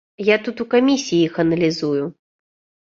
Я тут у камісіі іх аналізую.